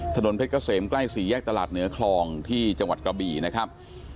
ถนนเพชรเกษมใกล้สี่แยกตลาดเหนือคลองที่จังหวัดกระบี่นะครับ